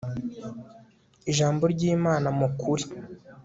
ijambo ry imana mu kuri